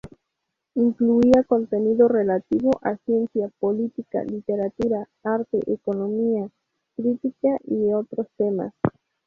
Incluía contenido relativo a ciencia, política, literatura, arte, economía, crítica y otros temas.